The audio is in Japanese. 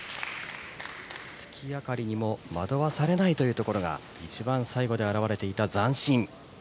月明かりにも惑わされないというのが一番最後に表れていた残心。